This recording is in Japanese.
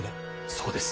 そうです。